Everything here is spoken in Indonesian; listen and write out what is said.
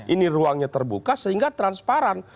ini ruangnya terbuka sehingga transparan